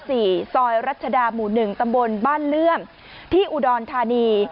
ซอยรัชดาหมู่๑ตำบลบ้านเลื่อมที่อุดรธานี